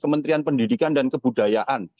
kementerian pendidikan dan kebudayaan